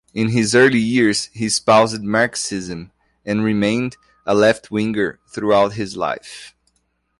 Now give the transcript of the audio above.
In his early years he espoused Marxism and remained a left-winger throughout his life.